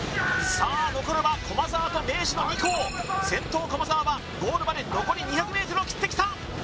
さあ残るは駒澤と明治の２校先頭駒澤はゴールまで残り２００ｍを切ってきた